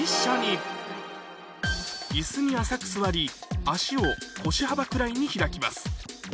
椅子に浅く座り足を腰幅くらいに開きます